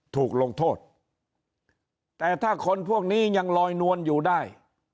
ถูกลงโทษแต่ถ้าคนพวกนี้ยังลอยนวลอยู่ได้